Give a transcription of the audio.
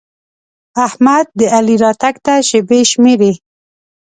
احمد د علي راتګ ته شېبې شمېري.